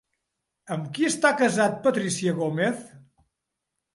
Amb qui està casat Patrícia Gómez?